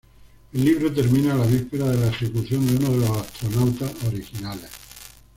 El libro termina la víspera de la ejecución de uno de los astronautas originales.